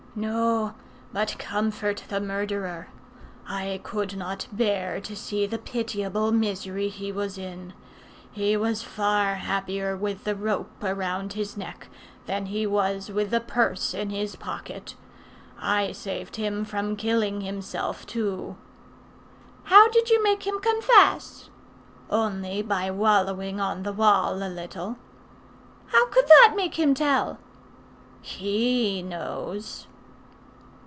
"No; but comfort the murderer. I could not bear to see the pitiable misery he was in. He was far happier with the rope round his neck, than he was with the purse in his pocket. I saved him from killing himself too." "How did you make him confess?" "Only by wallowing on the wall a little." "How could that make him tell?" "He knows."